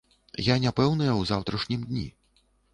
Я не пэўная ў заўтрашнім дні.